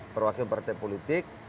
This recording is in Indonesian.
perwakilan partai politik